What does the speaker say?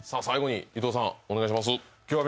最後に伊藤さんお願いします